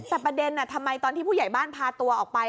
แต่ประเด็นทำไมตอนที่ผู้ใหญ่บ้านพาตัวออกไป